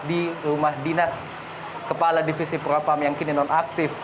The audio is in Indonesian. di rumah dinas kepala divisi pro apam yang kini non aktif